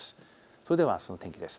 それではあすの天気です。